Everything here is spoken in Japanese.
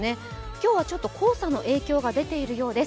今日は黄砂の影響が出ているようです